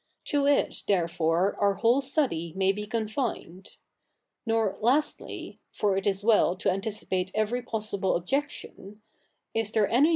To it therefore our whole study may be co?ifined. Nor lastly {for it is well to a?iticipate every possible objection), is there any